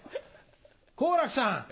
好楽さん